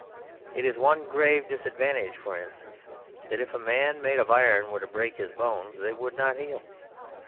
It is one grave disadvantage, for instance, that if a man made of iron were to break his bones, they would not heal.